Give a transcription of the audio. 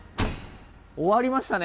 終わりましたね